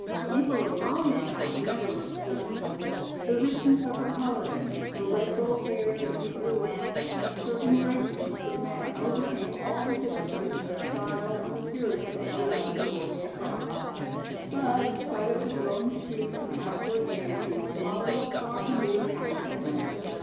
People of Molly's type never look poor. The richness of her coloring, her red gold hair and deep blue eyes and a certain graciousness of manner overcame all deficiencies in the style and material of her lavender organdy frock. But, in spite of her glowing cheeks and outward gaiety, Molly was far from being happy that night.